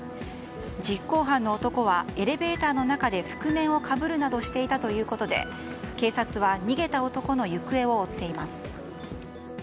実行犯の男はエレベーターの中で覆面をかぶるなどしていたということで警察は逃げた男の行方を追っています。